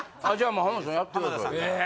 もう浜田さんやってくださいよえ